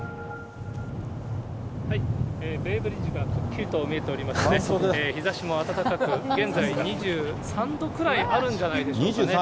ベイブリッジが見えておりまして、日ざしも暖かく、現在２３度くらいあるんじゃないでしょうかね。